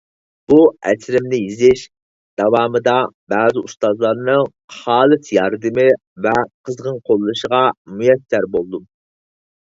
بۇ ئەسىرىمنى يېزىش داۋامىدا بەزى ئۇستازلارنىڭ خالىس ياردىمى ۋە قىزغىن قوللىشىغا مۇيەسسەر بولدۇم.